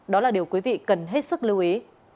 đó là điều quý vị cần hết sức lưu ý